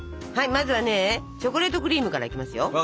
まずはねチョコレートクリームからいきますよ。